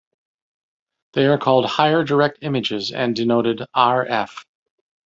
They are called higher direct images and denoted "R f".